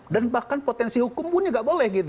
dan bahkan potensi hukum pun nggak boleh gitu